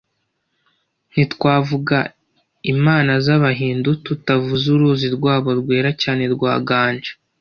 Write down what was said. Ntitwavuga imana z’Abahindu tutavuze uruzi rwabo rwera cyane rwa Gange